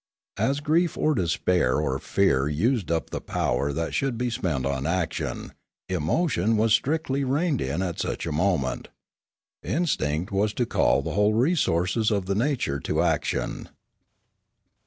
As grief or despair or fear used up the power that should be spent on action, emotion was strictly reined in at such a moment; the instinct was to call the whole resources of the nature to action.